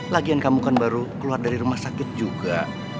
lagian kamu kan baru keluar dari rumah sakit juga